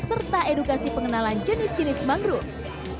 serta edukasi pengenalan jenis jenis mangrove